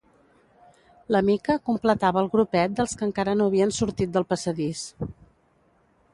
La Mica completava el grupet dels que encara no havien sortit del passadís.